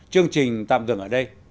chương trình tạm dừng ở đây